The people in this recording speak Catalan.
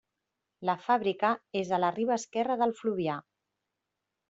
La fàbrica és a la riba esquerra del Fluvià.